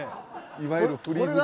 いわゆるフリーズ芸。